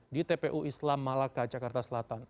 di tpu islam malaka jakarta selatan